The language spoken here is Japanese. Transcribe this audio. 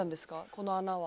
この穴は。